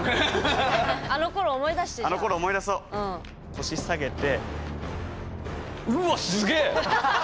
腰下げて。